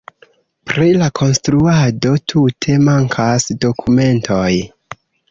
Pri la konstruado tute mankas dokumentoj.